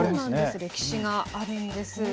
歴史があるんです。